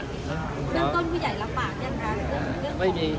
เริ่มต้นผู้ใหญ่รับฝากยังไง